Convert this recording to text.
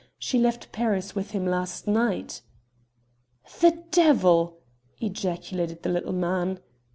She left Paris with him last night." "The devil!" ejaculated the little man.